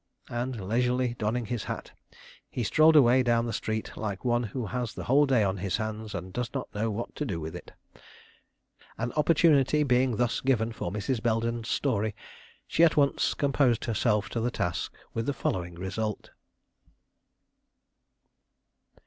And leisurely donning his hat he strolled away down the street like one who has the whole day on his hands and does not know what to do with it. An opportunity being thus given for Mrs. Belden's story, she at once composed herself to the task, with the following result.